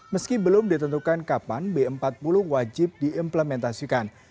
meski belum ditentukan kapan b empat puluh wajib diimplementasikan